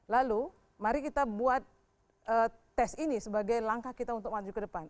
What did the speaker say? lalu mari kita buat tes ini sebagai langkah kita untuk maju ke depan